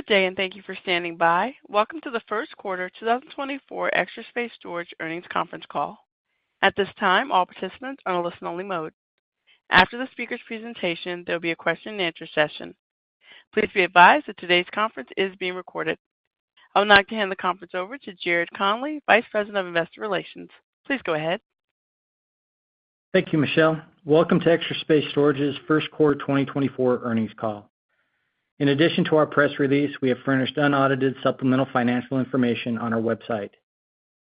Good day, and thank you for standing by. Welcome to the Q1 2024 Extra Space Storage Earnings Conference Call. At this time, all participants are in a listen-only mode. After the speaker's presentation, there'll be a question-and-answer session. Please be advised that today's conference is being recorded. I would now like to hand the conference over to Jared Connelly, Vice President of Investor Relations. Please go ahead. Thank you, Michelle. Welcome to Extra Space Storage's Q1 2024 earnings call. In addition to our press release, we have furnished unaudited supplemental financial information on our website.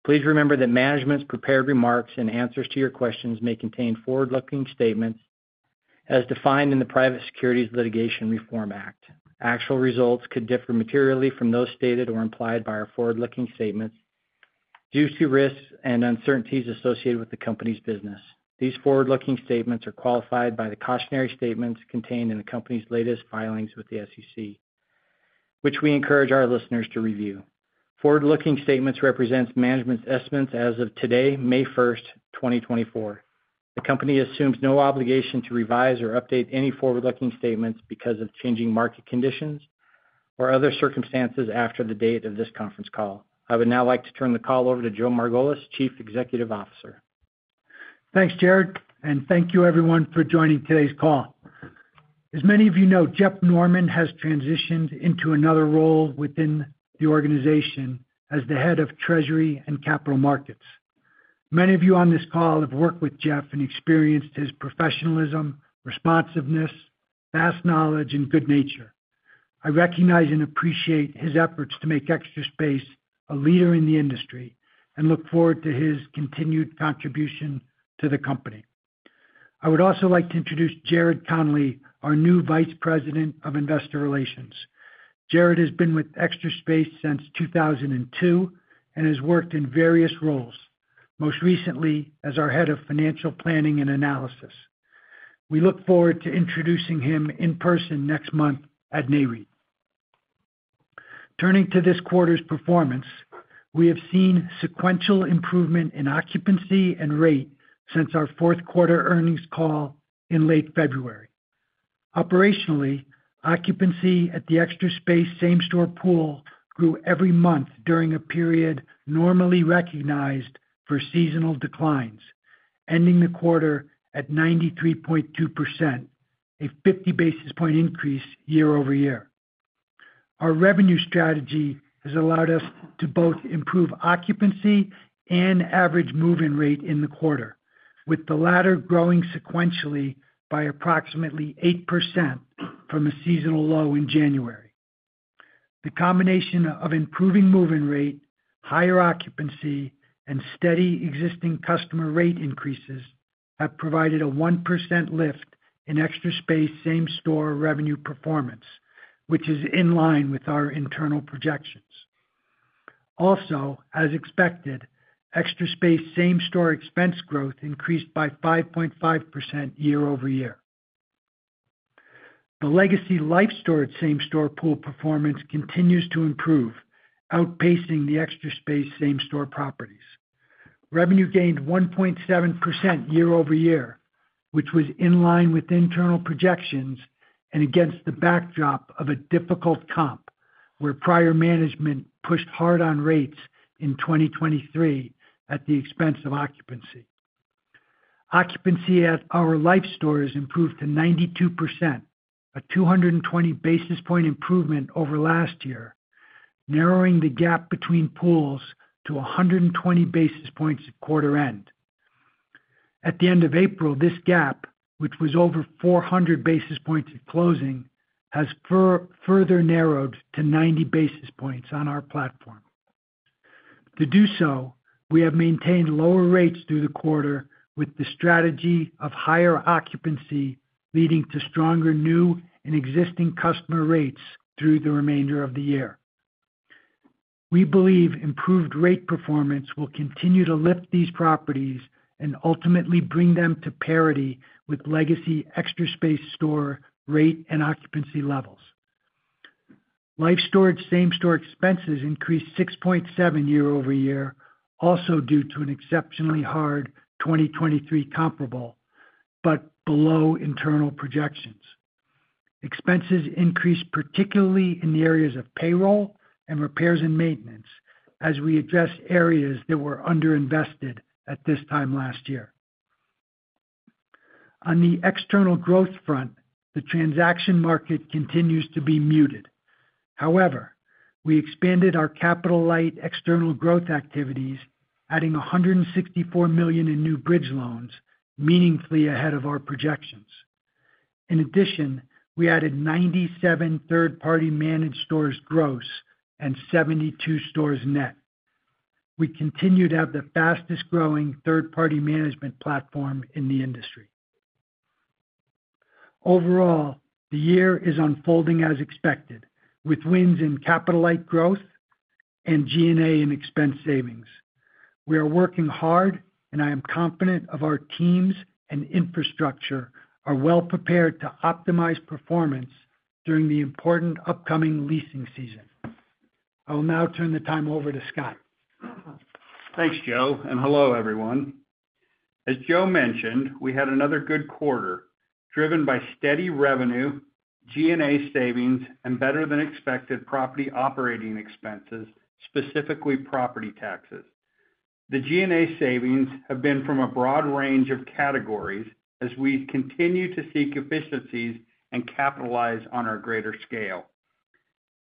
Please remember that management's prepared remarks and answers to your questions may contain forward-looking statements as defined in the Private Securities Litigation Reform Act. Actual results could differ materially from those stated or implied by our forward-looking statements due to risks and uncertainties associated with the company's business. These forward-looking statements are qualified by the cautionary statements contained in the company's latest filings with the SEC, which we encourage our listeners to review. Forward-looking statements represent management's estimates as of today, May 1, 2024. The company assumes no obligation to revise or update any forward-looking statements because of changing market conditions or other circumstances after the date of this conference call. I would now like to turn the call over to Joe Margolis, Chief Executive Officer. Thanks, Jared, and thank you everyone for joining today's call. As many of you know, Jeff Norman has transitioned into another role within the organization as the Head of Treasury and Capital Markets. Many of you on this call have worked with Jeff and experienced his professionalism, responsiveness, vast knowledge, and good nature. I recognize and appreciate his efforts to make Extra Space a leader in the industry and look forward to his continued contribution to the company. I would also like to introduce Jared Connelly, our new Vice President of Investor Relations. Jared has been with Extra Space since 2002 and has worked in various roles, most recently as our Head of Financial Planning and Analysis. We look forward to introducing him in person next month at Nareit. Turning to this quarter's performance, we have seen sequential improvement in occupancy and rate since our Q4 earnings call in late February. Operationally, occupancy at the Extra Space same-store pool grew every month during a period normally recognized for seasonal declines, ending the quarter at 93.2%, a 50 basis point increase year-over-year. Our revenue strategy has allowed us to both improve occupancy and average move-in rate in the quarter, with the latter growing sequentially by approximately 8% from a seasonal low in January. The combination of improving move-in rate, higher occupancy, and steady existing customer rate increases have provided a 1% lift in Extra Space same-store revenue performance, which is in line with our internal projections. Also, as expected, Extra Space same-store expense growth increased by 5.5% year-over-year. The legacy Life Storage same-store pool performance continues to improve, outpacing the Extra Space same-store properties. Revenue gained 1.7% year-over-year, which was in line with internal projections and against the backdrop of a difficult comp, where prior management pushed hard on rates in 2023 at the expense of occupancy. Occupancy at our Life Stores improved to 92%, a 220 basis point improvement over last year, narrowing the gap between pools to 120 basis points at quarter end. At the end of April, this gap, which was over 400 basis points at closing, has further narrowed to 90 basis points on our platform. To do so, we have maintained lower rates through the quarter, with the strategy of higher occupancy leading to stronger new and existing customer rates through the remainder of the year. We believe improved rate performance will continue to lift these properties and ultimately bring them to parity with legacy Extra Space store rate and occupancy levels. Life Storage same-store expenses increased 6.7% year-over-year, also due to an exceptionally hard 2023 comparable, but below internal projections. Expenses increased, particularly in the areas of payroll and repairs and maintenance, as we address areas that were underinvested at this time last year. On the external growth front, the transaction market continues to be muted. However, we expanded our capital light external growth activities, adding $164 million in new bridge loans, meaningfully ahead of our projections. In addition, we added 97 third-party managed stores gross and 72 stores net. We continue to have the fastest-growing third-party management platform in the industry. Overall, the year is unfolding as expected, with wins in capital light growth and G&A and expense savings. We are working hard, and I am confident of our teams and infrastructure are well prepared to optimize performance during the important upcoming leasing season. I'll now turn the time over to Scott. Thanks, Joe, and hello, everyone. As Joe mentioned, we had another good quarter, driven by steady revenue, G&A savings, and better-than-expected property operating expenses, specifically property taxes. The G&A savings have been from a broad range of categories as we continue to seek efficiencies and capitalize on our greater scale.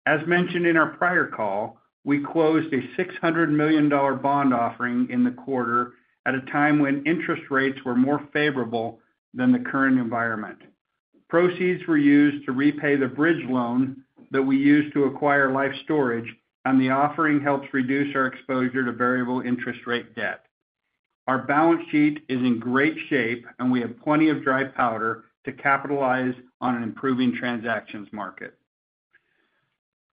As mentioned in our prior call, we closed a $600 million bond offering in the quarter at a time when interest rates were more favorable than the current environment. Proceeds were used to repay the bridge loan that we used to acquire Life Storage, and the offering helps reduce our exposure to variable interest rate debt. Our balance sheet is in great shape, and we have plenty of dry powder to capitalize on an improving transactions market.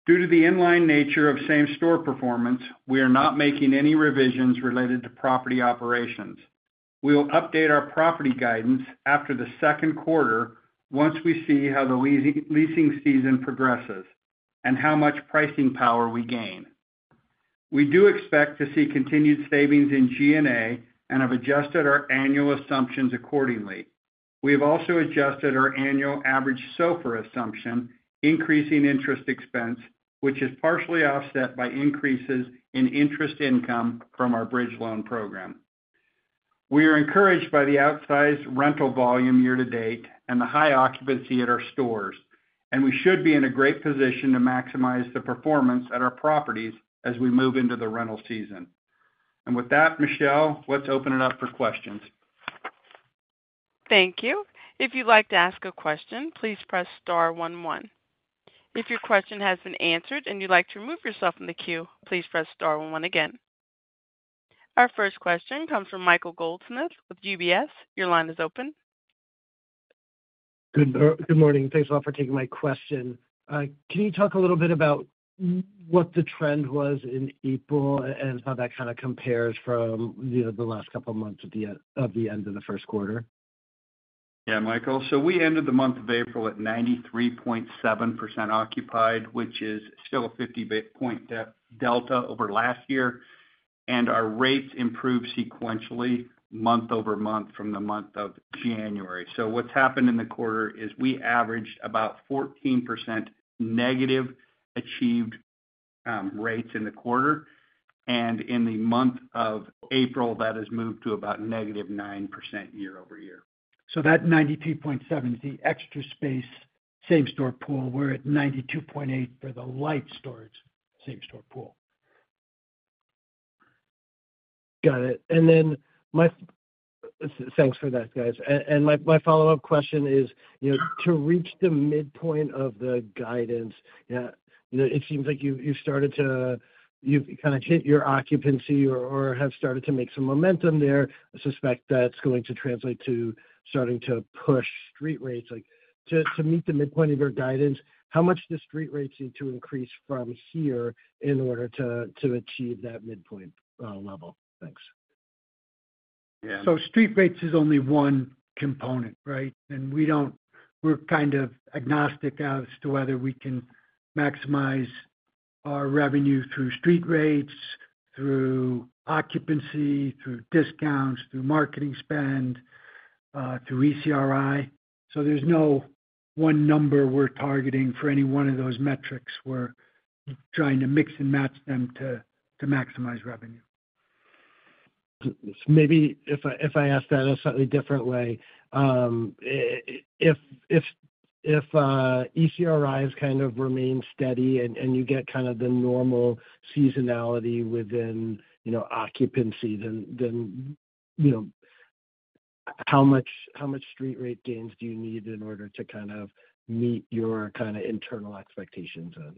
Due to the inline nature of same-store performance, we are not making any revisions related to property operations. We will update our property guidance after the Q2, once we see how the leasing season progresses and how much pricing power we gain. We do expect to see continued savings in G&A and have adjusted our annual assumptions accordingly. We have also adjusted our annual average SOFR assumption, increasing interest expense, which is partially offset by increases in interest income from our bridge loan program. We are encouraged by the outsized rental volume year to date and the high occupancy at our stores, and we should be in a great position to maximize the performance at our properties as we move into the rental season. And with that, Michelle, let's open it up for questions. Thank you. If you'd like to ask a question, please press star one, one. If your question has been answered and you'd like to remove yourself from the queue, please press star one one again. Our first question comes from Michael Goldsmith with UBS. Your line is open. Good morning. Thanks a lot for taking my question. Can you talk a little bit about what the trend was in April and how that kind of compares from, you know, the last couple of months at the end of the end of the Q1? Yeah, Michael. So we ended the month of April at 93.7% occupied, which is still a 50 basis point delta over last year, and our rates improved sequentially, month-over-month from the month of January. So what's happened in the quarter is we averaged about 14% negative achieved rates in the quarter, and in the month of April, that has moved to about negative 9% year-over-year. That 92.7 is the Extra Space same-store pool. We're at 92.8 for the Life Storage same-store pool. Got it. And then my thanks for that, guys. And my follow-up question is, you know, to reach the midpoint of the guidance, you know, it seems like you've started to, you've kind of hit your occupancy or have started to make some momentum there. I suspect that's going to translate to starting to push street rates. Like, to meet the midpoint of your guidance, how much do street rates need to increase from here in order to achieve that midpoint level? Thanks. Yeah. So street rates is only one component, right? And we don't – we're kind of agnostic as to whether we can maximize our revenue through street rates, through occupancy, through discounts, through marketing spend, through ECRI. So there's no one number we're targeting for any one of those metrics. We're trying to mix and match them to maximize revenue. Maybe if I ask that a slightly different way, if ECRIs kind of remain steady and you get kind of the normal seasonality within, you know, occupancy, then, you know, how much street rate gains do you need in order to kind of meet your kind of internal expectations on?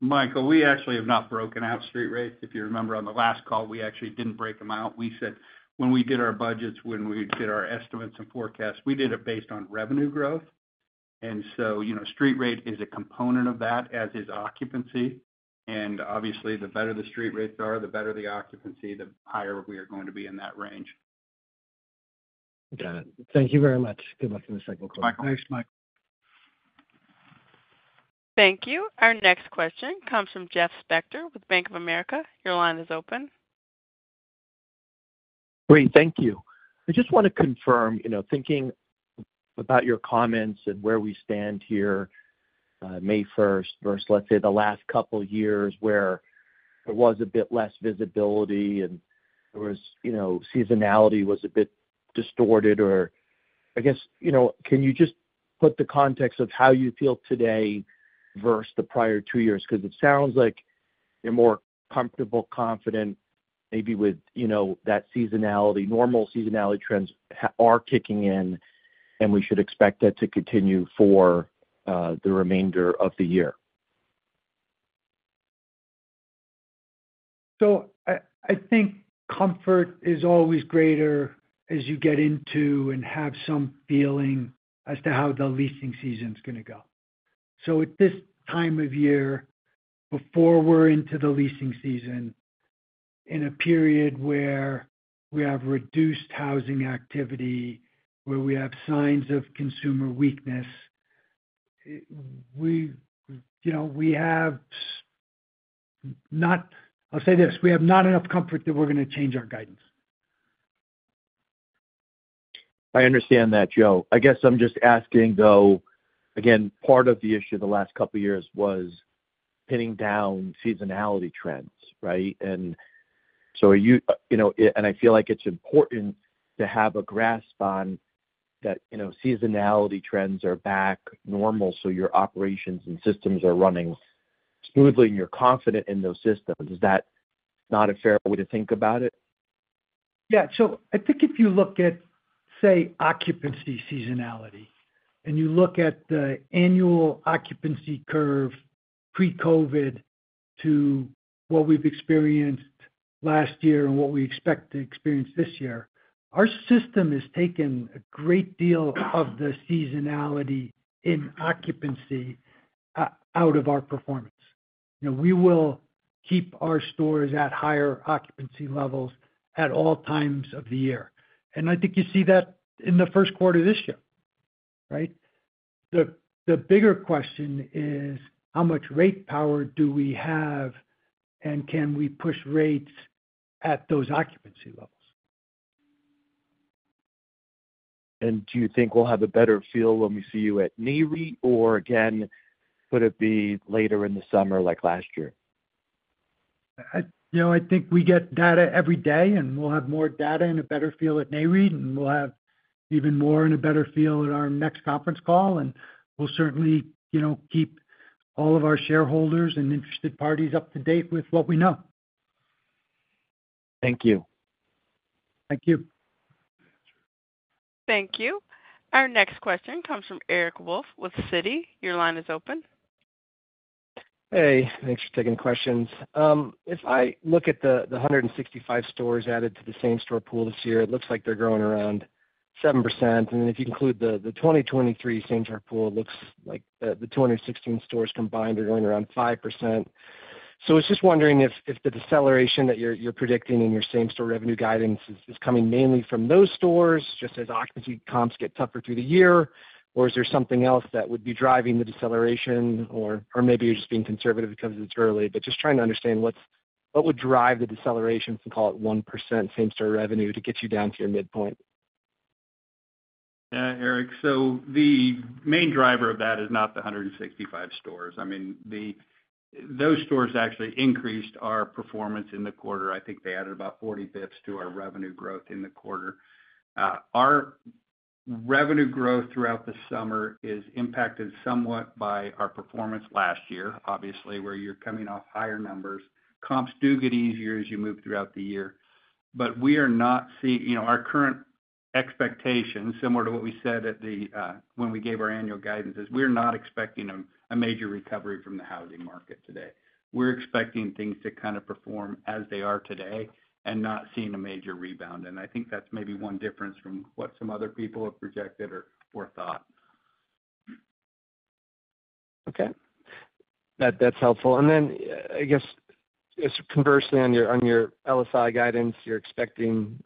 Michael, we actually have not broken out Street Rates. If you remember, on the last call, we actually didn't break them out. We said when we did our budgets, when we did our estimates and forecasts, we did it based on revenue growth. And so, you know, Street Rate is a component of that, as is Occupancy. And obviously, the better the Street Rates are, the better the Occupancy, the higher we are going to be in that range. Got it. Thank you very much. Good luck in the Q2. Thanks, Michael. Thank you. Our next question comes from Jeff Spector with Bank of America. Your line is open. Great. Thank you. I just want to confirm, you know, thinking about your comments and where we stand here, May first versus, let's say, the last couple of years where there was a bit less visibility and there was, you know, seasonality was a bit distorted, or I guess, you know, can you just put the context of how you feel today versus the prior two years? Because it sounds like you're more comfortable, confident, maybe with, you know, that seasonality, normal seasonality trends are kicking in, and we should expect that to continue for, the remainder of the year. So, I think comfort is always greater as you get into and have some feeling as to how the leasing season's gonna go. So at this time of year, before we're into the leasing season,... in a period where we have reduced housing activity, where we have signs of consumer weakness, you know, we have not—I'll say this, we have not enough comfort that we're gonna change our guidance. I understand that, Joe. I guess I'm just asking, though, again, part of the issue the last couple of years was pinning down seasonality trends, right? And so are you, you know, and I feel like it's important to have a grasp on that, you know, seasonality trends are back normal, so your operations and systems are running smoothly, and you're confident in those systems. Is that not a fair way to think about it? Yeah. So I think if you look at, say, occupancy seasonality, and you look at the annual occupancy curve, pre-COVID, to what we've experienced last year and what we expect to experience this year, our system has taken a great deal of the seasonality in occupancy out of our performance. You know, we will keep our stores at higher occupancy levels at all times of the year. And I think you see that in the Q1 this year, right? The bigger question is: how much rate power do we have, and can we push rates at those occupancy levels? Do you think we'll have a better feel when we see you at NAREIT, or again, could it be later in the summer, like last year? You know, I think we get data every day, and we'll have more data and a better feel at NAREIT, and we'll have even more and a better feel at our next conference call. We'll certainly, you know, keep all of our shareholders and interested parties up to date with what we know. Thank you. Thank you. Thank you. Our next question comes from Eric Wolfe with Citi. Your line is open. Hey, thanks for taking questions. If I look at the 165 stores added to the same store pool this year, it looks like they're growing around 7%. And then if you include the 2023 same store pool, it looks like the 216 stores combined are growing around 5%. So I was just wondering if the deceleration that you're predicting in your same store revenue guidance is coming mainly from those stores, just as occupancy comps get tougher through the year, or is there something else that would be driving the deceleration? Or maybe you're just being conservative because it's early, but just trying to understand what's—what would drive the deceleration, from, call it, 1% same store revenue to get you down to your midpoint. Yeah, Eric. So the main driver of that is not the 165 stores. I mean, those stores actually increased our performance in the quarter. I think they added about 40 basis points to our revenue growth in the quarter. Our revenue growth throughout the summer is impacted somewhat by our performance last year, obviously, where you're coming off higher numbers. Comps do get easier as you move throughout the year, but we are not seeing. You know, our current expectations, similar to what we said at the, when we gave our annual guidance, is we're not expecting a major recovery from the housing market today. We're expecting things to kind of perform as they are today and not seeing a major rebound. And I think that's maybe one difference from what some other people have projected or thought. Okay. That's helpful. And then, I guess, just conversely, on your LSI guidance, you're expecting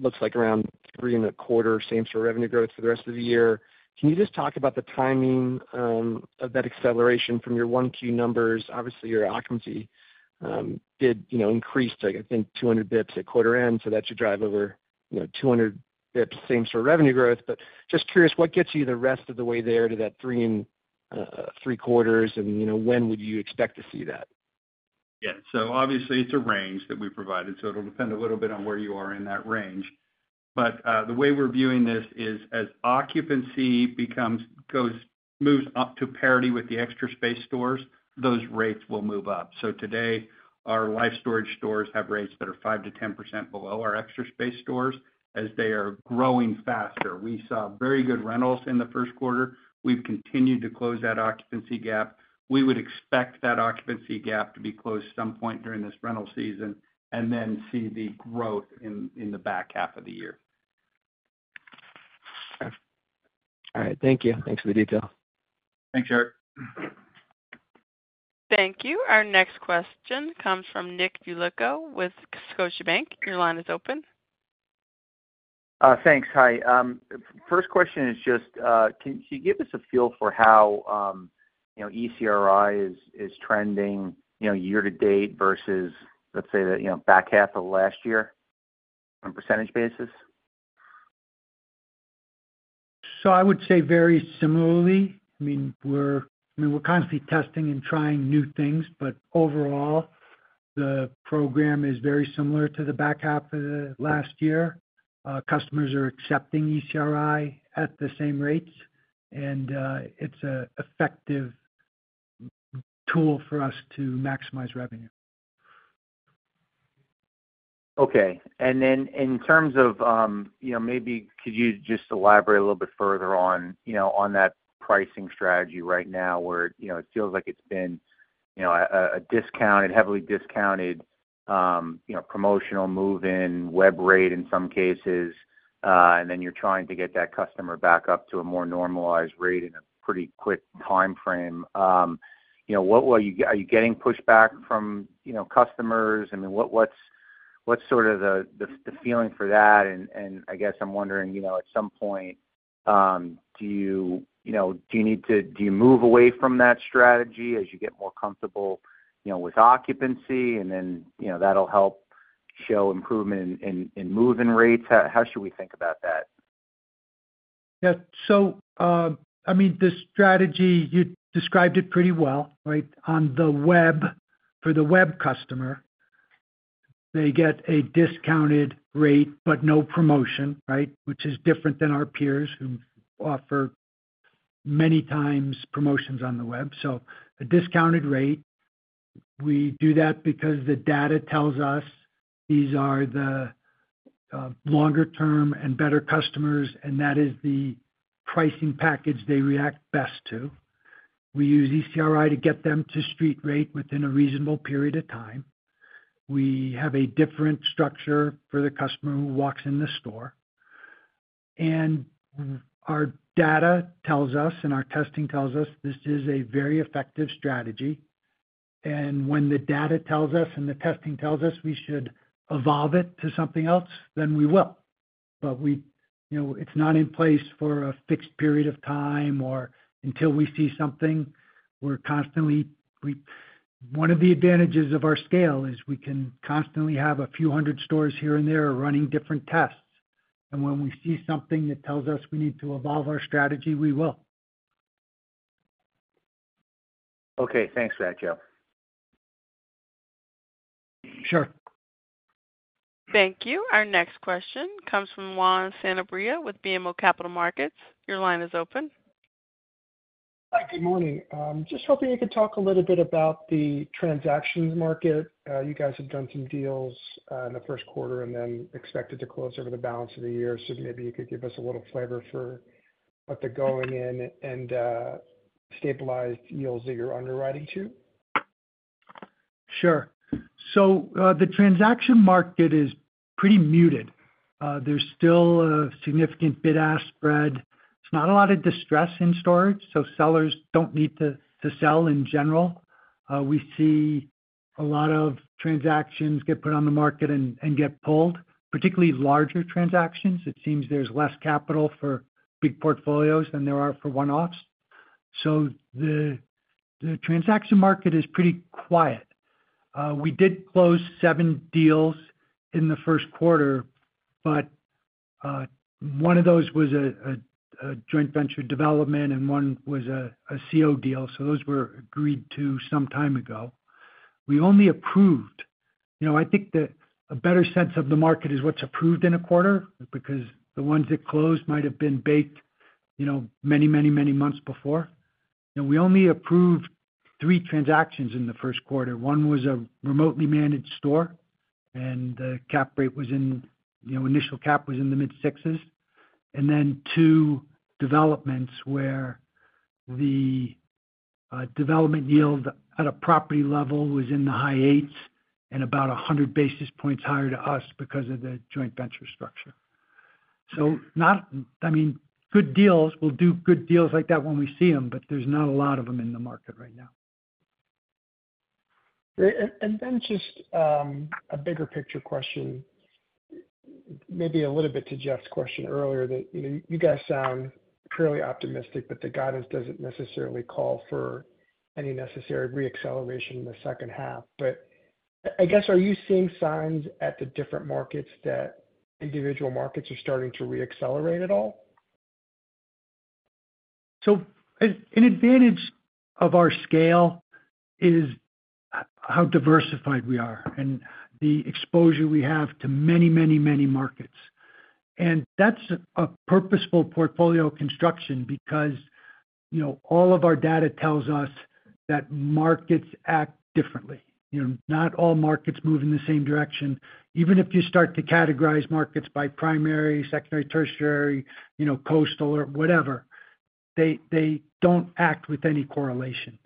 looks like around 3.25 same-store revenue growth for the rest of the year. Can you just talk about the timing of that acceleration from your 1Q numbers? Obviously, your occupancy did, you know, increase, like, I think, 200 basis points at quarter end, so that should drive over, you know, 200 basis points same-store revenue growth. But just curious, what gets you the rest of the way there to that 3.75, and, you know, when would you expect to see that? Yeah. So obviously, it's a range that we provided, so it'll depend a little bit on where you are in that range. But the way we're viewing this is as occupancy moves up to parity with the Extra Space stores, those rates will move up. So today, our Life Storage stores have rates that are 5%-10% below our Extra Space stores, as they are growing faster. We saw very good rentals in the Q1. We've continued to close that occupancy gap. We would expect that occupancy gap to be closed at some point during this rental season, and then see the growth in the back half of the year. Okay. All right, thank you. Thanks for the detail. Thanks, Eric. Thank you. Our next question comes from Nick Yulico with Scotiabank. Your line is open. Thanks. Hi. First question is just, can you give us a feel for how, you know, ECRI is trending, you know, year to date versus, let's say, the back half of last year, on percentage basis? So I would say very similarly. I mean, we're, I mean, we're constantly testing and trying new things, but overall, the program is very similar to the back half of the last year. Customers are accepting ECRI at the same rates, and it's an effective tool for us to maximize revenue. Okay. Then in terms of, you know, maybe could you just elaborate a little bit further on, you know, on that pricing strategy right now, where, you know, it feels like it's been, you know, a discounted, heavily discounted, you know, promotional move-in, web rate in some cases, and then you're trying to get that customer back up to a more normalized rate in a pretty quick timeframe. You know, what were you - Are you getting pushback from, you know, customers? I mean, what's sort of the feeling for that? And I guess I'm wondering, you know, at some point, do you, you know, do you need to - do you move away from that strategy as you get more comfortable, you know, with occupancy, and then, you know, that'll help show improvement in move-in rates? How should we think about that? Yeah. So, I mean, the strategy, you described it pretty well, right? On the web, for the web customer, they get a discounted rate, but no promotion, right? Which is different than our peers, who offer many times promotions on the web. So a discounted rate, we do that because the data tells us these are the, longer term and better customers, and that is the pricing package they react best to. We use ECRI to get them to street rate within a reasonable period of time. We have a different structure for the customer who walks in the store. And our data tells us, and our testing tells us this is a very effective strategy. And when the data tells us and the testing tells us, we should evolve it to something else, then we will. But, you know, it's not in place for a fixed period of time or until we see something. We're constantly, one of the advantages of our scale is we can constantly have a few hundred stores here and there are running different tests, and when we see something that tells us we need to evolve our strategy, we will. Okay. Thanks for that, Joe. Sure. Thank you. Our next question comes from Juan Sanabria with BMO Capital Markets. Your line is open. Hi, good morning. Just hoping you could talk a little bit about the transactions market. You guys have done some deals in the Q1 and then expected to close over the balance of the year. So maybe you could give us a little flavor for what they're going in and stabilized yields that you're underwriting to? Sure. So, the transaction market is pretty muted. There's still a significant bid-ask spread. There's not a lot of distress in storage, so sellers don't need to sell in general. We see a lot of transactions get put on the market and get pulled, particularly larger transactions. It seems there's less capital for big portfolios than there are for one-offs. So the transaction market is pretty quiet. We did close 7 deals in the Q1, but one of those was a joint venture development, and one was a C of O deal, so those were agreed to some time ago. We only approved... You know, I think that a better sense of the market is what's approved in a quarter, because the ones that closed might have been baked, you know, many, many, many months before. We only approved three transactions in the Q1. One was a remotely managed store, and the cap rate was in, you know, initial cap was in the mid-6s, and then two developments where the development yield at a property level was in the high eights and about 100 basis points higher to us because of the joint venture structure. So, I mean, good deals, we'll do good deals like that when we see them, but there's not a lot of them in the market right now. Great. And, and then just, a bigger picture question, maybe a little bit to Jeff's question earlier, that, you know, you guys sound fairly optimistic, but the guidance doesn't necessarily call for any necessary re-acceleration in the H2. But I guess, are you seeing signs at the different markets that individual markets are starting to re-accelerate at all? An advantage of our scale is how diversified we are and the exposure we have to many, many, many markets. And that's a purposeful portfolio construction because, you know, all of our data tells us that markets act differently. You know, not all markets move in the same direction. Even if you start to categorize markets by primary, secondary, tertiary, you know, coastal or whatever, they, they don't act with any correlation.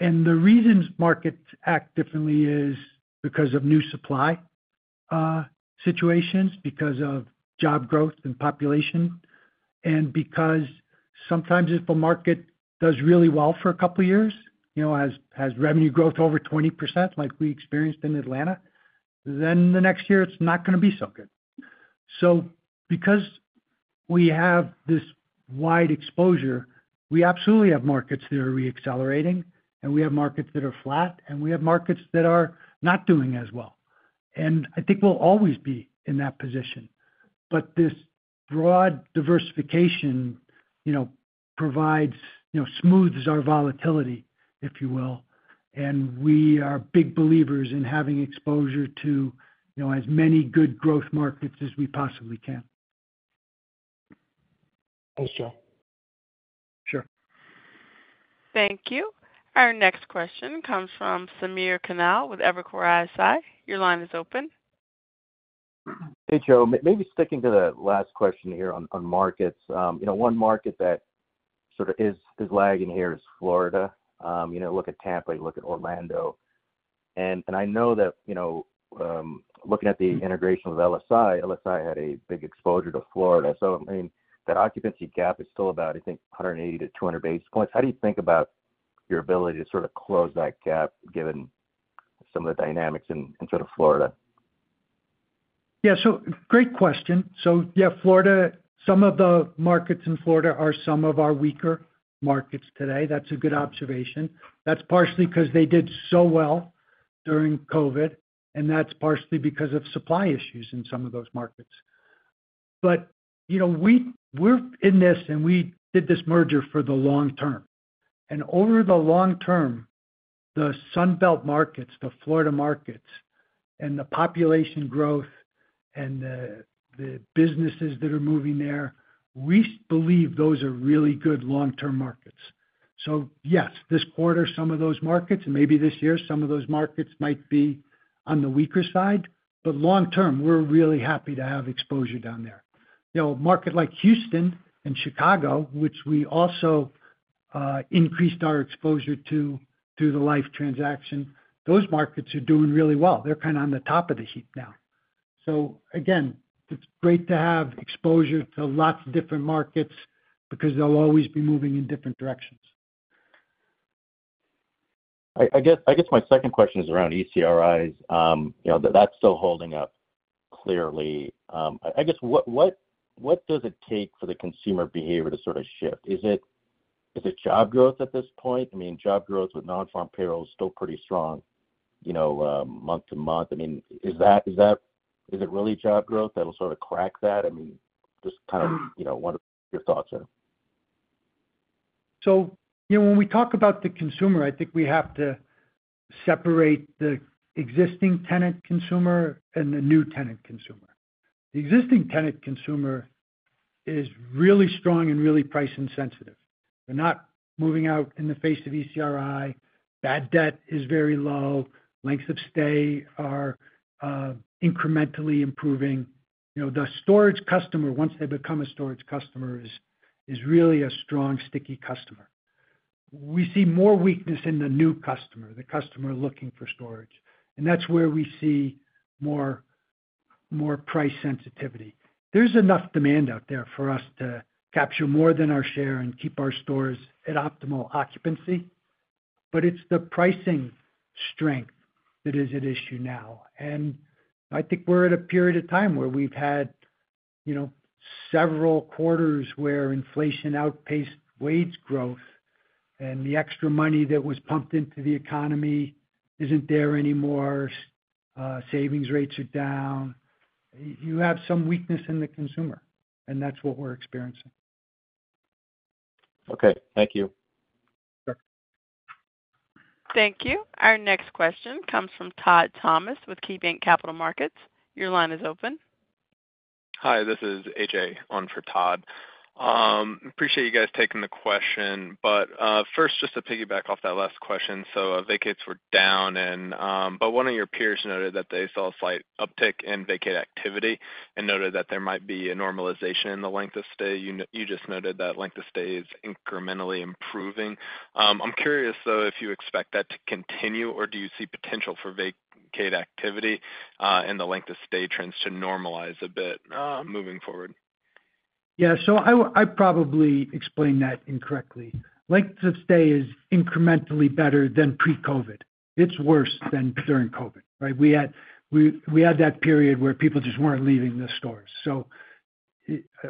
And the reasons markets act differently is because of new supply situations, because of job growth and population, and because sometimes if a market does really well for a couple of years, you know, has revenue growth over 20%, like we experienced in Atlanta, then the next year it's not going to be so good. So because we have this wide exposure, we absolutely have markets that are re-accelerating, and we have markets that are flat, and we have markets that are not doing as well. And I think we'll always be in that position. But this broad diversification, you know, provides, you know, smooths our volatility, if you will, and we are big believers in having exposure to, you know, as many good growth markets as we possibly can. Thanks, Joe. Sure. Thank you. Our next question comes from Samir Khanal with Evercore ISI. Your line is open. Hey, Joe. Maybe sticking to the last question here on markets. You know, one market that sort of is lagging here is Florida. You know, look at Tampa, you look at Orlando. And I know that, you know, looking at the integration with LSI, LSI had a big exposure to Florida. So, I mean, that occupancy gap is still about, I think, 180-200 basis points. How do you think about your ability to sort of close that gap, given some of the dynamics in sort of Florida? Yeah, so great question. So yeah, Florida, some of the markets in Florida are some of our weaker markets today. That's a good observation. That's partially because they did so well during COVID, and that's partially because of supply issues in some of those markets. But, you know, we're in this, and we did this merger for the long term. And over the long term, the Sun Belt markets, the Florida markets, and the population growth and the, the businesses that are moving there, we believe those are really good long-term markets. So yes, this quarter, some of those markets, and maybe this year, some of those markets might be on the weaker side, but long term, we're really happy to have exposure down there. You know, a market like Houston and Chicago, which we also increased our exposure to through the Life transaction, those markets are doing really well. They're kind of on the top of the heap now. So again, it's great to have exposure to lots of different markets because they'll always be moving in different directions. I guess my second question is around ECRIs. You know, that's still holding up clearly. I guess, what does it take for the consumer behavior to sort of shift? Is it job growth at this point? I mean, job growth with non-farm payroll is still pretty strong, you know, month to month. I mean, is that - is it really job growth that'll sort of crack that? I mean, just kind of, you know, what are your thoughts there? So, you know, when we talk about the consumer, I think we have to separate the existing tenant consumer and the new tenant consumer. The existing tenant consumer is really strong and really price insensitive. They're not moving out in the face of ECRI. Bad debt is very low. Lengths of stay are incrementally improving. You know, the storage customer, once they become a storage customer, is, is really a strong, sticky customer. We see more weakness in the new customer, the customer looking for storage, and that's where we see more price sensitivity. There's enough demand out there for us to capture more than our share and keep our stores at optimal occupancy, but it's the pricing strength that is at issue now. I think we're at a period of time where we've had, you know, several quarters where inflation outpaced wage growth, and the extra money that was pumped into the economy isn't there anymore, savings rates are down. You have some weakness in the consumer, and that's what we're experiencing. Okay, thank you. Sure. Thank you. Our next question comes from Todd Thomas with KeyBanc Capital Markets. Your line is open. Hi, this is AJ on for Todd. Appreciate you guys taking the question, but first, just to piggyback off that last question. So, vacates were down and, but one of your peers noted that they saw a slight uptick in vacate activity and noted that there might be a normalization in the length of stay. You just noted that length of stay is incrementally improving. I'm curious, though, if you expect that to continue, or do you see potential for vacate activity and the length of stay trends to normalize a bit moving forward? Yeah, so I probably explained that incorrectly. Length of stay is incrementally better than pre-COVID. It's worse than during COVID, right? We had that period where people just weren't leaving the stores. So,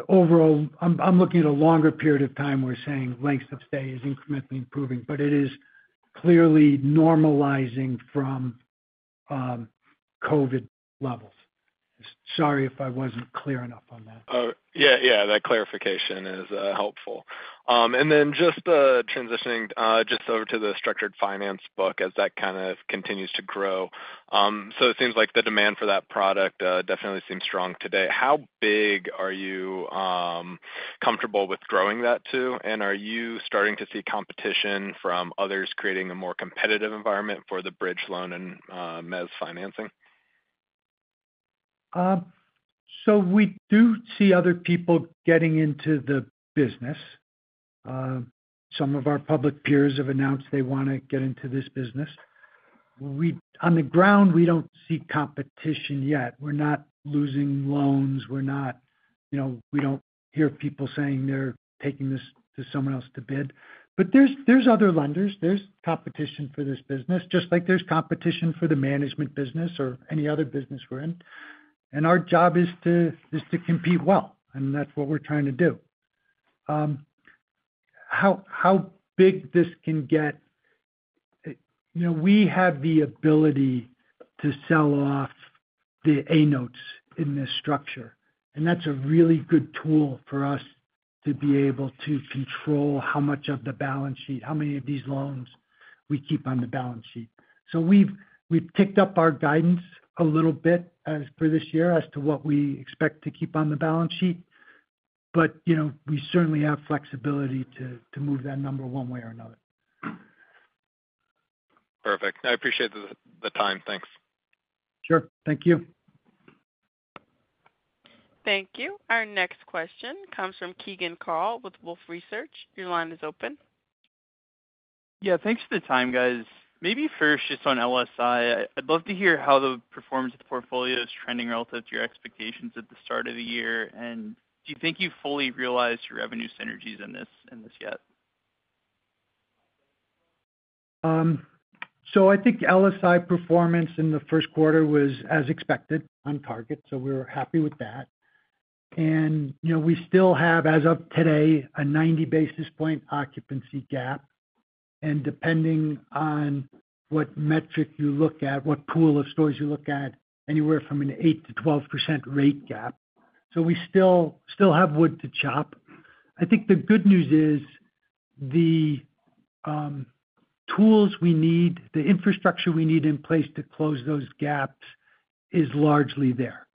overall, I'm looking at a longer period of time where saying length of stay is incrementally improving, but it is clearly normalizing from COVID levels. Sorry if I wasn't clear enough on that. Oh, yeah, yeah, that clarification is helpful. And then just transitioning just over to the structured finance book as that kind of continues to grow. So it seems like the demand for that product definitely seems strong today. How big are you comfortable with growing that to? And are you starting to see competition from others, creating a more competitive environment for the bridge loan and mezz financing? So we do see other people getting into the business. Some of our public peers have announced they wanna get into this business. On the ground, we don't see competition yet. We're not losing loans. We're not, you know, we don't hear people saying they're taking this to someone else to bid. But there's other lenders, there's competition for this business, just like there's competition for the management business or any other business we're in. And our job is to compete well, and that's what we're trying to do. How big this can get? You know, we have the ability to sell off the A notes in this structure, and that's a really good tool for us to be able to control how much of the balance sheet, how many of these loans we keep on the balance sheet. So we've ticked up our guidance a little bit as for this year as to what we expect to keep on the balance sheet, but, you know, we certainly have flexibility to move that number one way or another. Perfect. I appreciate the time. Thanks. Sure. Thank you. Thank you. Our next question comes from Keegan Carl with Wolfe Research. Your line is open. Yeah, thanks for the time, guys. Maybe first, just on LSI, I'd love to hear how the performance of the portfolio is trending relative to your expectations at the start of the year. Do you think you've fully realized your revenue synergies in this yet? So I think LSI performance in the Q1 was as expected, on target, so we were happy with that. And, you know, we still have, as of today, a 90 basis point occupancy gap, and depending on what metric you look at, what pool of stores you look at, anywhere from an 8%-12% rate gap. So we still, still have wood to chop. I think the good news is the tools we need, the infrastructure we need in place to close those gaps is largely there,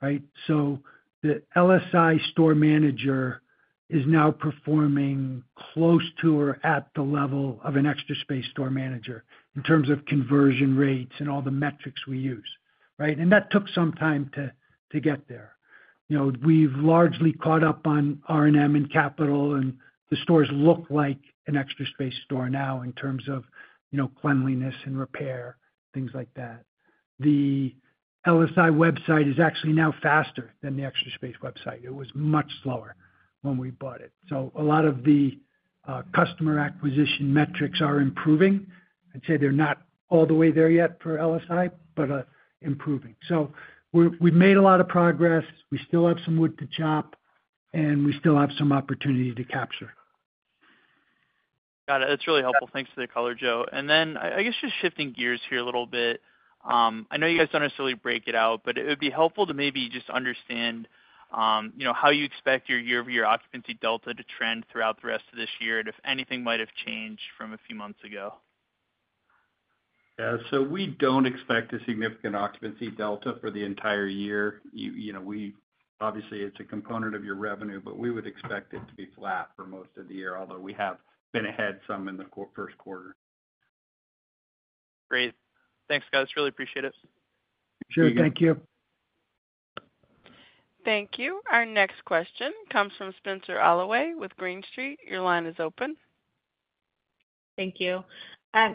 right? So the LSI store manager is now performing close to or at the level of an Extra Space store manager in terms of conversion rates and all the metrics we use, right? And that took some time to, to get there. You know, we've largely caught up on R&M and capital, and the stores look like an Extra Space store now in terms of, you know, cleanliness and repair, things like that. The LSI website is actually now faster than the Extra Space website. It was much slower when we bought it. So a lot of the customer acquisition metrics are improving. I'd say they're not all the way there yet for LSI, but improving. So we've made a lot of progress. We still have some wood to chop, and we still have some opportunity to capture. Got it. That's really helpful. Thanks for the color, Joe. And then I guess, just shifting gears here a little bit. I know you guys don't necessarily break it out, but it would be helpful to maybe just understand, you know, how you expect your year-over-year occupancy delta to trend throughout the rest of this year, and if anything might have changed from a few months ago? Yeah. So we don't expect a significant occupancy delta for the entire year. You know, we obviously, it's a component of your revenue, but we would expect it to be flat for most of the year, although we have been ahead some in the Q1. Great. Thanks, guys. Really appreciate it. Sure. Thank you. Thank you. Our next question comes from Spencer Holloway with Green Street. Your line is open. Thank you.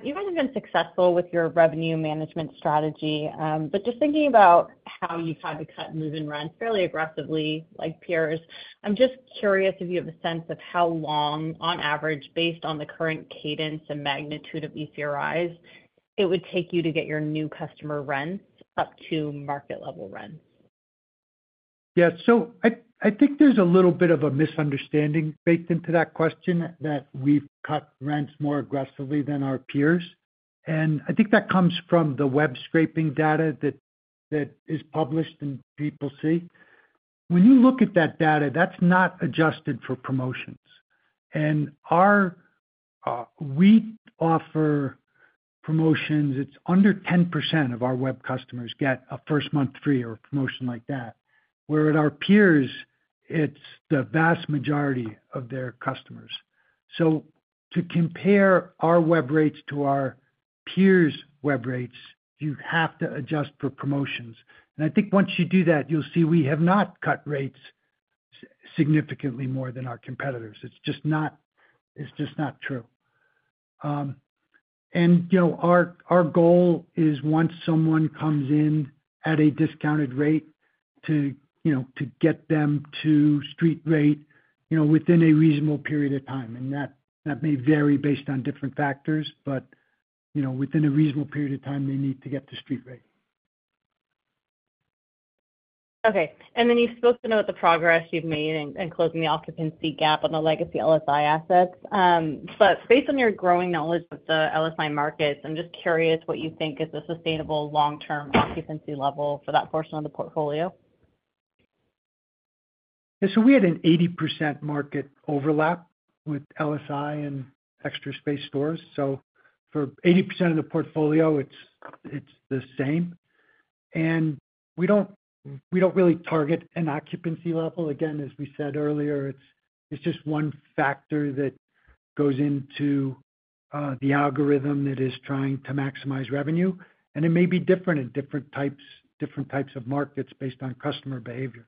You guys have been successful with your revenue management strategy, but just thinking about how you've had to cut move-in rents fairly aggressively like peers, I'm just curious if you have a sense of how long, on average, based on the current cadence and magnitude of ECRIs, it would take you to get your new customer rents up to market-level rents? Yeah, so I, I think there's a little bit of a misunderstanding baked into that question that we've cut rents more aggressively than our peers. And I think that comes from the web scraping data that, that is published and people see. When you look at that data, that's not adjusted for promotions. And our, We offer promotions, it's under 10% of our web customers get a first month free or a promotion like that, where at our peers, it's the vast majority of their customers. So to compare our web rates to our peers' web rates, you have to adjust for promotions. And I think once you do that, you'll see we have not cut rates significantly more than our competitors. It's just not, it's just not true. You know, our goal is once someone comes in at a discounted rate to, you know, to get them to street rate, you know, within a reasonable period of time, and that may vary based on different factors, but, you know, within a reasonable period of time, they need to get to street rate. Okay. And then you've spoken about the progress you've made in, in closing the occupancy gap on the legacy LSI assets, but based on your growing knowledge of the LSI markets, I'm just curious what you think is a sustainable long-term occupancy level for that portion of the portfolio? So we had an 80% market overlap with LSI and Extra Space stores. So for 80% of the portfolio, it's, it's the same. And we don't, we don't really target an occupancy level. Again, as we said earlier, it's, it's just one factor that goes into, the algorithm that is trying to maximize revenue, and it may be different in different types, different types of markets based on customer behavior.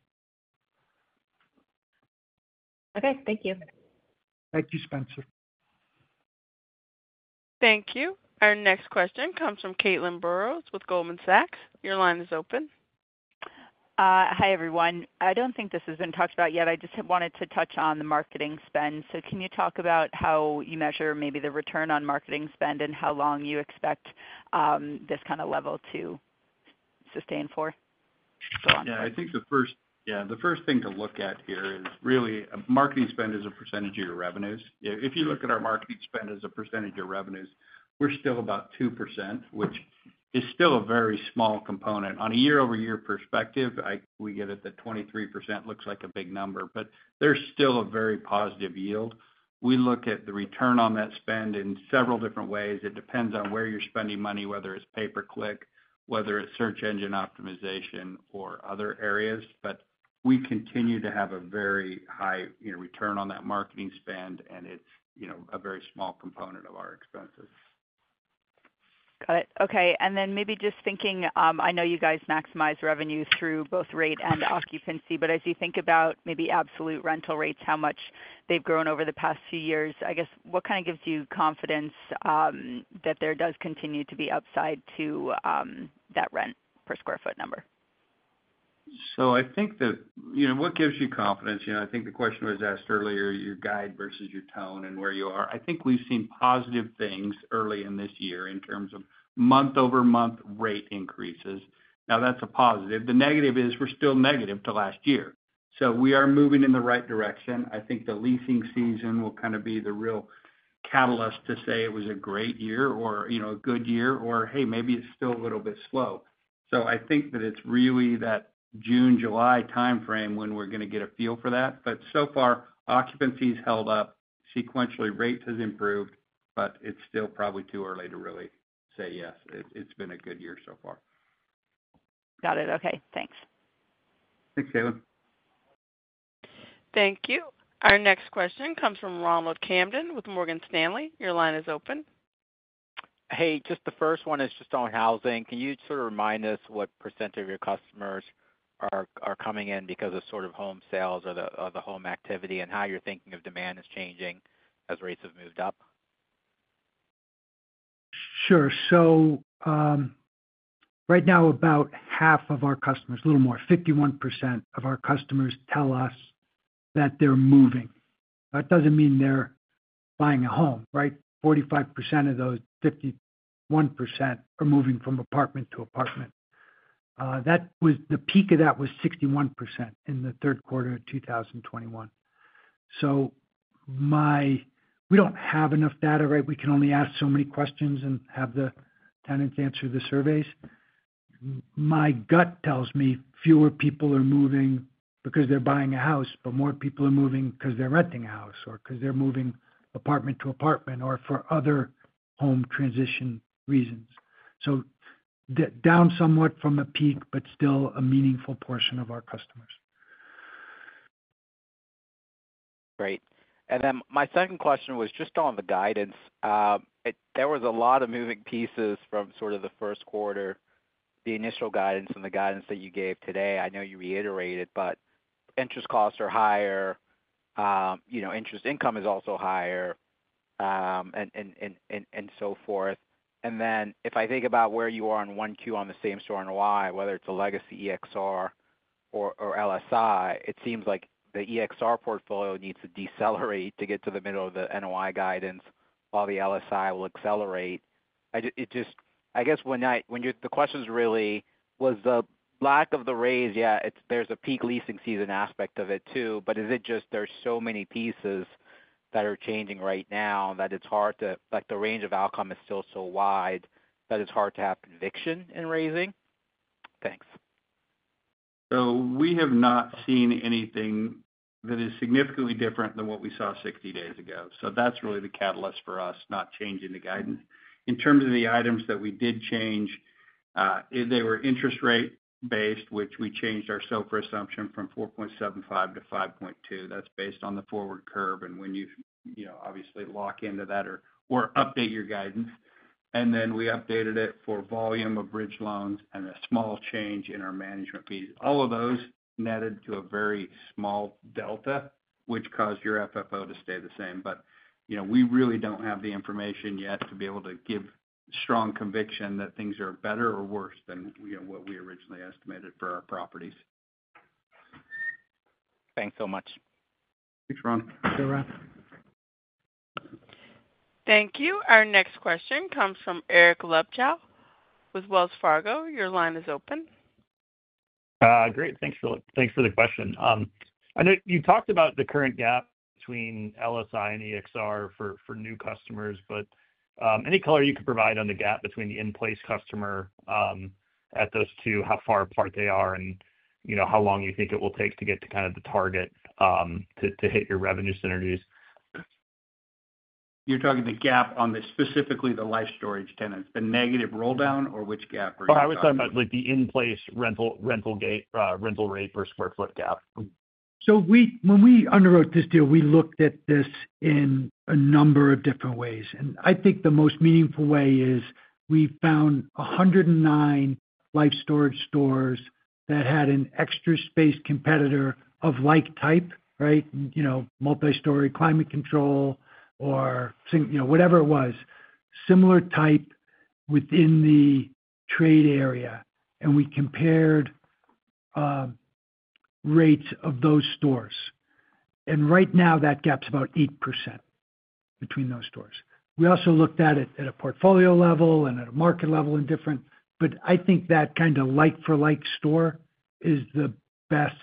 Okay. Thank you. Thank you, Spencer. Thank you. Our next question comes from Caitlin Burrows with Goldman Sachs. Your line is open. Hi, everyone. I don't think this has been talked about yet. I just wanted to touch on the marketing spend. So can you talk about how you measure maybe the return on marketing spend and how long you expect this kind of level to sustain for going forward? Yeah, the first thing to look at here is really marketing spend as a percentage of your revenues. If you look at our marketing spend as a percentage of revenues, we're still about 2%, which is still a very small component. On a year-over-year perspective, we get it that 23% looks like a big number, but there's still a very positive yield. We look at the return on that spend in several different ways. It depends on where you're spending money, whether it's pay per click, whether it's search engine optimization or other areas. But we continue to have a very high, you know, return on that marketing spend, and it's, you know, a very small component of our expenses.... Got it. Okay, and then maybe just thinking, I know you guys maximize revenue through both rate and occupancy, but as you think about maybe absolute rental rates, how much they've grown over the past few years, I guess, what kind of gives you confidence, that there does continue to be upside to, that rent per square foot number? So I think that, you know, what gives you confidence? You know, I think the question was asked earlier, your guide versus your tone and where you are. I think we've seen positive things early in this year in terms of month-over-month rate increases. Now, that's a positive. The negative is we're still negative to last year, so we are moving in the right direction. I think the leasing season will kind of be the real catalyst to say it was a great year or, you know, a good year, or, hey, maybe it's still a little bit slow. So I think that it's really that June, July timeframe when we're gonna get a feel for that. But so far, occupancy's held up. Sequentially, rate has improved, but it's still probably too early to really say, yes, it, it's been a good year so far. Got it. Okay, thanks. Thanks, Caitlin. Thank you. Our next question comes from Ronald Kamdem with Morgan Stanley. Your line is open. Hey, just the first one is just on housing. Can you sort of remind us what percent of your customers are coming in because of sort of home sales or the home activity, and how you're thinking of demand is changing as rates have moved up? Sure. So, right now, about half of our customers, a little more, 51% of our customers tell us that they're moving. That doesn't mean they're buying a home, right? 45% of those 51% are moving from apartment to apartment. That was... The peak of that was 61% in the Q3 of 2021. So we don't have enough data, right? We can only ask so many questions and have the tenants answer the surveys. My gut tells me fewer people are moving because they're buying a house, but more people are moving 'cause they're renting a house or 'cause they're moving apartment to apartment or for other home transition reasons. So down somewhat from a peak, but still a meaningful portion of our customers. Great. And then my second question was just on the guidance. There was a lot of moving pieces from sort of the Q1, the initial guidance and the guidance that you gave today. I know you reiterated, but interest costs are higher, you know, interest income is also higher, and so forth. And then if I think about where you are on Q1 on the same-store NOI, whether it's a legacy EXR or LSI, it seems like the EXR portfolio needs to decelerate to get to the middle of the NOI guidance while the LSI will accelerate. I just-- I guess when I... The question's really: Was the lack of the raise, yeah, there's a peak leasing season aspect of it, too, but is it just there's so many pieces that are changing right now that it's hard to like, the range of outcome is still so wide that it's hard to have conviction in raising? Thanks. So we have not seen anything that is significantly different than what we saw 60 days ago. So that's really the catalyst for us not changing the guidance. In terms of the items that we did change, they were interest rate based, which we changed our SOFR assumption from 4.75 to 5.2. That's based on the forward curve, and when you, you know, obviously lock into that or, or update your guidance. And then we updated it for volume of bridge loans and a small change in our management fees. All of those netted to a very small delta, which caused your FFO to stay the same. But, you know, we really don't have the information yet to be able to give strong conviction that things are better or worse than, you know, what we originally estimated for our properties. Thanks so much. Thanks, Ron. Thank you, Ron. Thank you. Our next question comes from Eric Luebchow with Wells Fargo. Your line is open. Great. Thanks for the, thanks for the question. I know you talked about the current gap between LSI and EXR for, for new customers, but, any color you could provide on the gap between the in-place customer, at those two, how far apart they are, and, you know, how long you think it will take to get to kind of the target, to, to hit your revenue synergies? You're talking the gap on the, specifically the Life Storage tenants, the negative roll down, or which gap are you talking about? I was talking about, like, the in-place rental, rental gate, rental rate per square foot gap. So, when we underwrote this deal, we looked at this in a number of different ways, and I think the most meaningful way is we found 109 Life Storage stores that had an Extra Space competitor of like type, right? You know, multi-story, climate control or single, you know, whatever it was, similar type within the trade area, and we compared rates of those stores. And right now that gap's about 8% between those stores. We also looked at it at a portfolio level and at a market level and different, but I think that kind of like for like store is the best,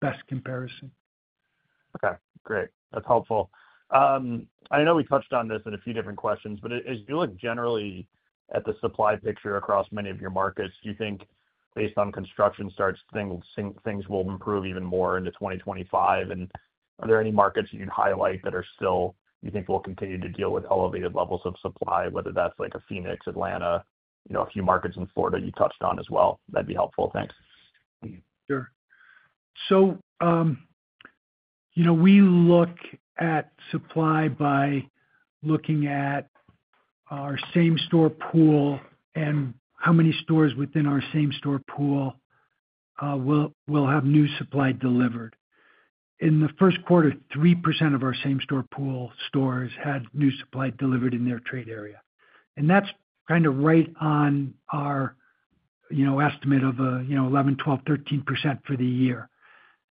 best comparison. Okay, great. That's helpful. I know we touched on this in a few different questions, but as you look generally at the supply picture across many of your markets, do you think based on construction starts, things will improve even more into 2025? And are there any markets you'd highlight that are still—you think will continue to deal with elevated levels of supply, whether that's like a Phoenix, Atlanta, you know, a few markets in Florida you touched on as well? That'd be helpful. Thanks. Sure. So, you know, we look at supply by looking at our same-store pool and how many stores within our same-store pool will have new supply delivered. In the Q1, 3% of our same-store pool stores had new supply delivered in their trade area, and that's kind of right on our estimate of 11%-13% for the year.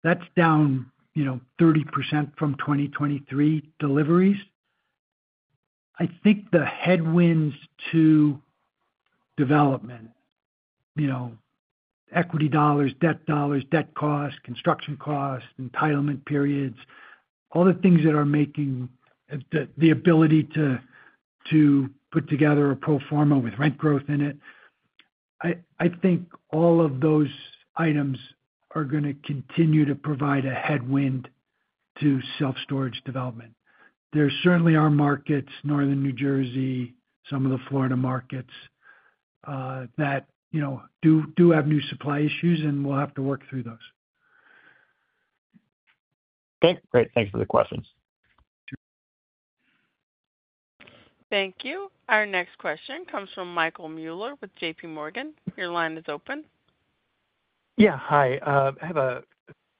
That's down, you know, 30% from 2023 deliveries. I think the headwinds to development, you know, equity dollars, debt dollars, debt costs, construction costs, entitlement periods, all the things that are making the ability to put together a pro forma with rent growth in it, I think all of those items are gonna continue to provide a headwind to self-storage development. There certainly are markets, Northern New Jersey, some of the Florida markets, that, you know, do have new supply issues, and we'll have to work through those. Okay, great. Thanks for the questions. Thank you. Our next question comes from Michael Mueller with J.P. Morgan. Your line is open. Yeah, hi. I have a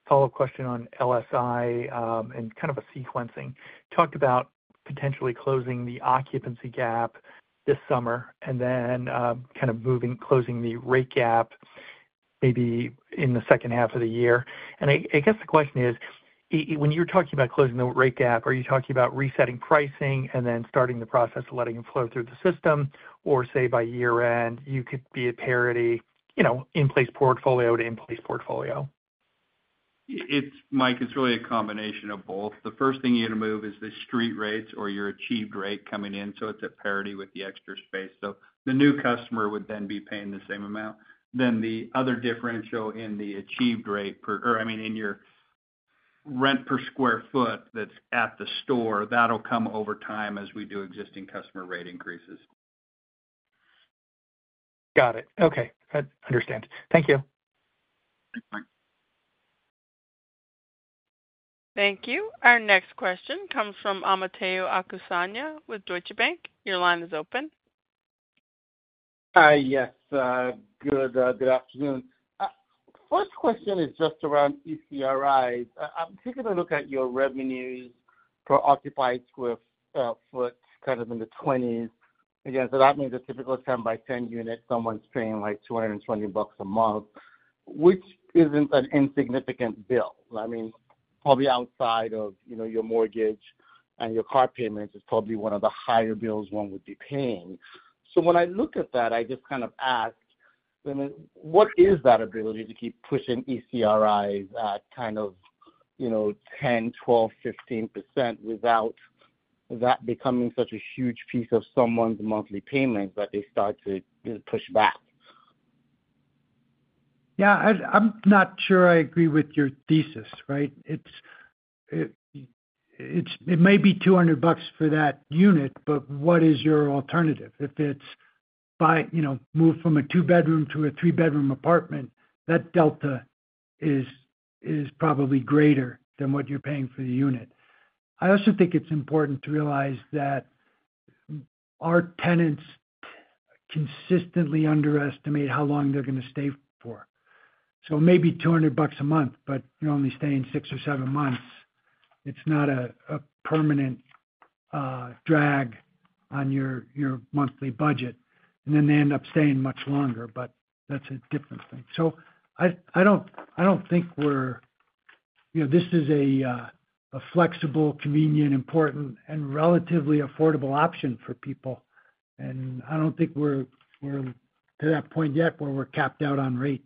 follow-up question on LSI, and kind of a sequencing. You talked about potentially closing the occupancy gap this summer and then, kind of moving, closing the rate gap maybe in the H2 of the year. And I guess the question is, when you're talking about closing the rate gap, are you talking about resetting pricing and then starting the process of letting it flow through the system? Or say by year-end, you could be at parity, you know, in-place portfolio to in-place portfolio. Mike, it's really a combination of both. The first thing you're going to move is the street rates or your achieved rate coming in, so it's at parity with the Extra Space. So the new customer would then be paying the same amount. Then the other differential in the achieved rate. Or I mean, in your rent per square foot that's at the store, that'll come over time as we do existing customer rate increases. Got it. Okay, I understand. Thank you. Thank you. Our next question comes from Omotayo Okusanya with Deutsche Bank. Your line is open. Hi, yes, good, good afternoon. First question is just around ECRI. I'm taking a look at your revenues per occupied square foot, kind of in the 20s. Again, so that means a typical 10 by 10 unit, someone's paying, like, $220 a month, which isn't an insignificant bill. I mean, probably outside of, you know, your mortgage and your car payments, it's probably one of the higher bills one would be paying. So when I look at that, I just kind of ask, then, what is that ability to keep pushing ECRIs at kind of, you know, 10%, 12%, 15% without that becoming such a huge piece of someone's monthly payment that they start to, you know, push back? Yeah, I'm not sure I agree with your thesis, right? It's it may be $200 for that unit, but what is your alternative? If it's buy, you know, move from a two-bedroom to a three-bedroom apartment, that delta is probably greater than what you're paying for the unit. I also think it's important to realize that our tenants consistently underestimate how long they're gonna stay for. So it may be $200 a month, but you're only staying six or seven months. It's not a permanent drag on your monthly budget, and then they end up staying much longer, but that's a different thing. So I don't think we're...You know, this is a flexible, convenient, important, and relatively affordable option for people, and I don't think we're to that point yet where we're capped out on rate.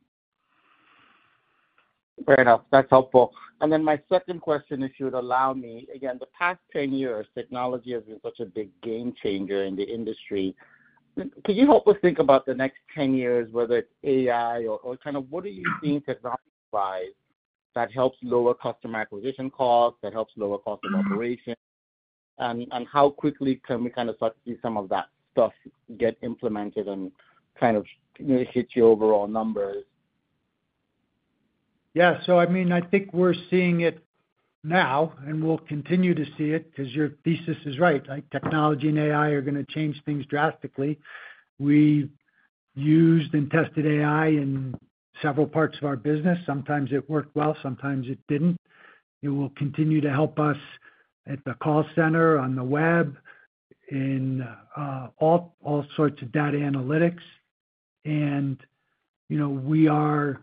Fair enough. That's helpful. And then my second question, if you would allow me, again, the past 10 years, technology has been such a big game changer in the industry. Could you help us think about the next 10 years, whether it's AI or, or kind of what do you see technology-wise that helps lower customer acquisition costs, that helps lower cost of operation? And, and how quickly can we kind of start to see some of that stuff get implemented and kind of hit your overall numbers? Yeah. So I mean, I think we're seeing it now, and we'll continue to see it because your thesis is right. Like, technology and AI are gonna change things drastically. We used and tested AI in several parts of our business. Sometimes it worked well, sometimes it didn't. It will continue to help us at the call center, on the web, in all sorts of data analytics. And, you know, we are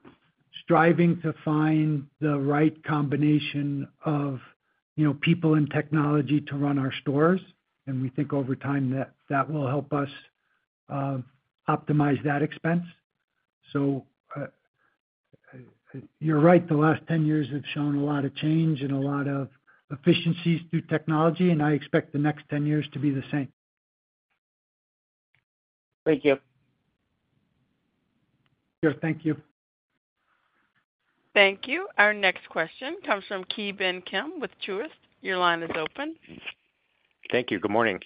striving to find the right combination of, you know, people and technology to run our stores, and we think over time, that will help us optimize that expense. So, you're right, the last 10 years have shown a lot of change and a lot of efficiencies through technology, and I expect the next 10 years to be the same. Thank you. Sure. Thank you. Thank you. Our next question comes from Ki Bin Kim with Truist. Your line is open. Thank you. Good morning.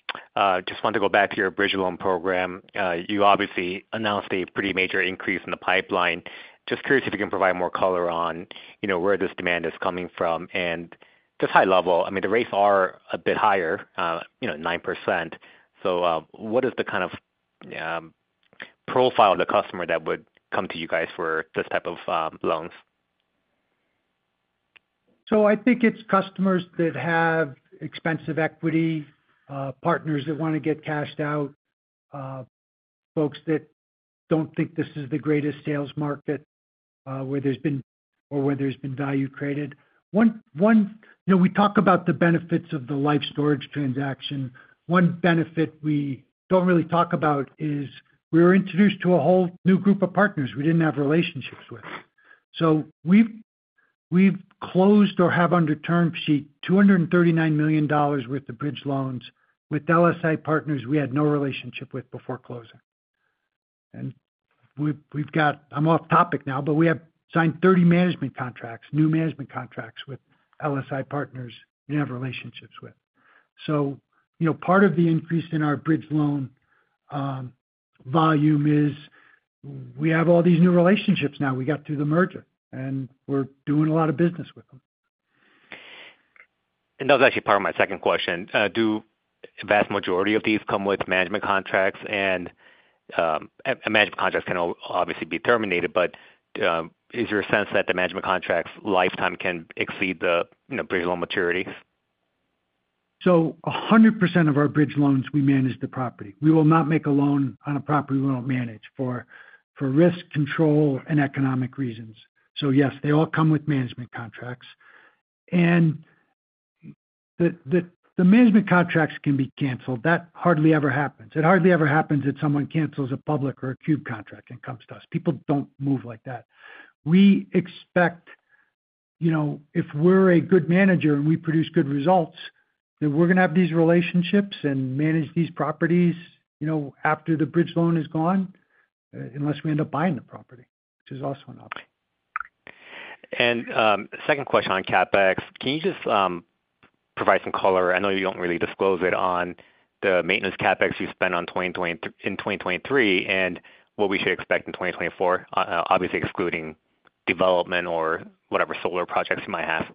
Just want to go back to your bridge loan program. You obviously announced a pretty major increase in the pipeline. Just curious if you can provide more color on, you know, where this demand is coming from, and just high level, I mean, the rates are a bit higher, you know, 9%. So, what is the kind of profile of the customer that would come to you guys for this type of loans? So I think it's customers that have expensive equity, partners that want to get cashed out, folks that don't think this is the greatest sales market, where there's been or where there's been value created. You know, we talk about the benefits of the Life Storage transaction. One benefit we don't really talk about is we were introduced to a whole new group of partners we didn't have relationships with. So we've, we've closed or have under term sheet, $239 million worth of bridge loans with LSI partners we had no relationship with before closing. And we've, we've got... I'm off topic now, but we have signed 30 management contracts, new management contracts, with LSI partners we have relationships with. So, you know, part of the increase in our bridge loan volume is we have all these new relationships now. We got through the merger, and we're doing a lot of business with them. That was actually part of my second question. Do vast majority of these come with management contracts? And management contracts can obviously be terminated, but is there a sense that the management contracts' lifetime can exceed the, you know, bridge loan maturity? So 100% of our bridge loans, we manage the property. We will not make a loan on a property we don't manage for risk control and economic reasons. So yes, they all come with management contracts. And the management contracts can be canceled. That hardly ever happens. It hardly ever happens that someone cancels a public or a Cube contract and comes to us. People don't move like that. We expect, you know, if we're a good manager and we produce good results, then we're going to have these relationships and manage these properties, you know, after the bridge loan is gone, unless we end up buying the property, which is also an option. Second question on CapEx. Can you just provide some color? I know you don't really disclose it, on the maintenance CapEx you spent in 2023, and what we should expect in 2024, obviously excluding development or whatever solar projects you might have.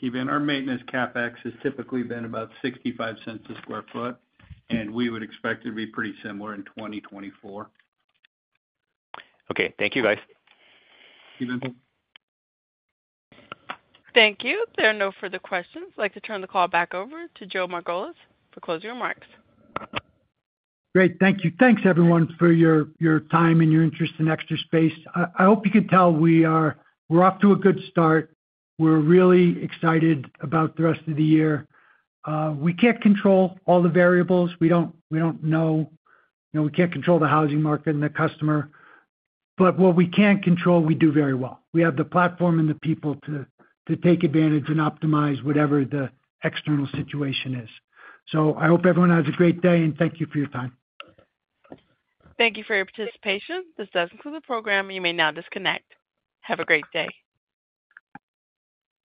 Kevin, our maintenance CapEx has typically been about $0.65 per sq ft, and we would expect it to be pretty similar in 2024. Okay. Thank you, guys. You're welcome. Thank you. There are no further questions. I'd like to turn the call back over to Joe Margolis for closing remarks. Great. Thank you. Thanks, everyone, for your time and your interest in Extra Space. I hope you can tell we're off to a good start. We're really excited about the rest of the year. We can't control all the variables. We don't know. You know, we can't control the housing market and the customer, but what we can control, we do very well. We have the platform and the people to take advantage and optimize whatever the external situation is. So I hope everyone has a great day, and thank you for your time. Thank you for your participation. This does conclude the program. You may now disconnect. Have a great day.